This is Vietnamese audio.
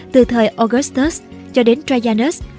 từ thời augustus cho đến trajanus